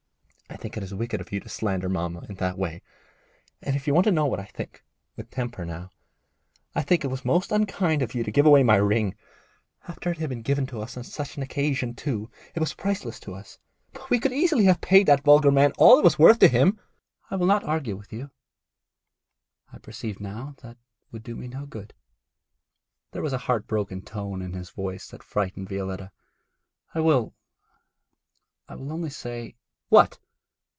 I think it is wicked of you to slander mamma in that way. And if you want to know what I think' with temper now 'I think it was most unkind of you to give away my ring. After it had been given to me on such an occasion, too, it was priceless to us, but we could easily have paid that vulgar man all it was worth to him.' 'I will not argue with you. I perceive now that that would do no good.' There was a heart broken tone in his voice that frightened Violetta. 'I will I will only say ' 'What?'